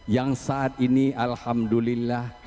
yang saat ini alhamdulillah